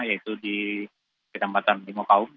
yaitu di kedampatan lima kaum